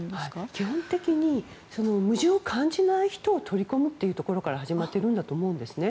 基本的に矛盾を感じない人を取り込むというところから始まっていると思うんです。